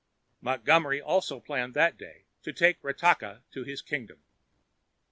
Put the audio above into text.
Montgomery also planned that day to take Ratakka to his kingdom.